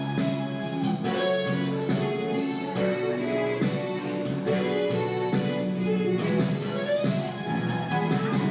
พวกเราสัญลักษณ์เพื่อสูญเนื้อฟ้า